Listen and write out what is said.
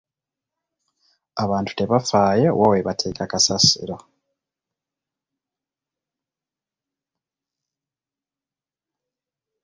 Abantu tebafaayo wa we bateeka kasasiro.